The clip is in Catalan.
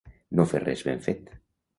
No fer res ben fet.